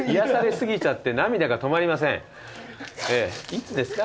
いつですか？